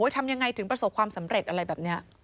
ทำยังไงถึงประสบความสำเร็จอะไรแบบนี้